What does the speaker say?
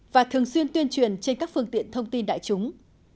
và thường xuyên tuyên truyền trên các phương tiện thông tin đại chúng